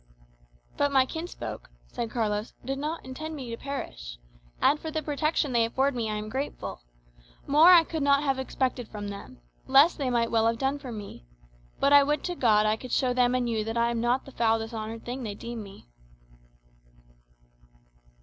"But my kinsfolk," said Carlos, "do not intend me to perish. And for the protection they afford me I am grateful. More I could not have expected from them; less they might well have done for me. But I would to God I could show them and you that I am not the foul dishonoured thing they deem me."